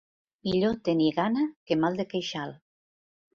Millor tenir gana que mal de queixal.